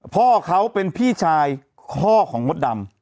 พ่อเขาเป็นพี่ชายพ่อของมดดำ